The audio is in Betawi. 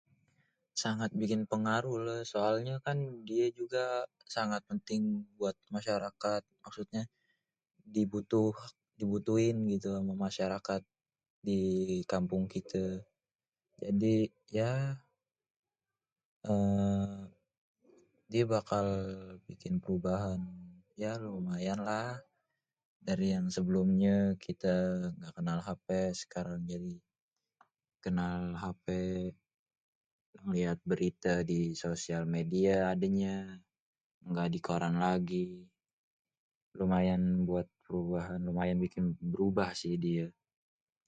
sangat bikin pengaruh lhé. soalnye kan dia juga sangat penting buat masyarakat. maksudnya dibutuhin gitu ama masyarakat di kampung kité. jadi ya uhm dia bakal bikin perubahan. ya lumayan lha dari yang sebelumnya kité ngga kenal hape sekarang jadi kenal hape. liat berité di sosial media adanya ngga di koran lagi. lumayan buat perubahan lumayan bikin berubah sih dié.